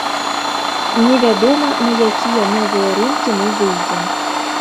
Невядома, на якія новыя рынкі мы выйдзем.